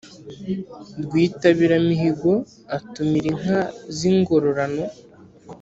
rwitabiramihigo atumira inka z'ingororano